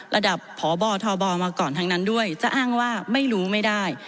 ระดับพบทบมาก่อนทั้งนั้นด้วยจะอ้างว่าไม่รู้ไม่ได้